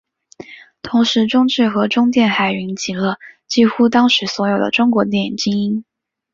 同时中制和中电还云集了几乎当时所有的中国电影精英。